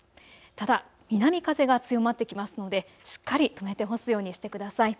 ただ南風が強まってきますのでしっかり留めて干すようにしてください。